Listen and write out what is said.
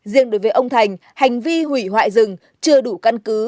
riêng đối với ông thành hành vi hủy hoại rừng chưa đủ căn cứ